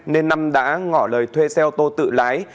nên năm đã ngỏ lời thuê xe ô tô tự lái